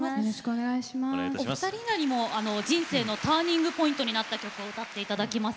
お二人にも人生のターニングポイントになった曲を歌っていただきます。